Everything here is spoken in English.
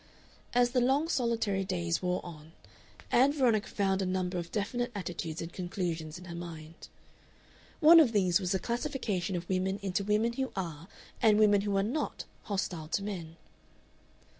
As the long, solitary days wore on, Ann Veronica found a number of definite attitudes and conclusions in her mind. One of these was a classification of women into women who are and women who are not hostile to men.